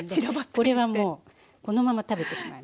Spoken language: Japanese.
これはもうこのまま食べてしまいます。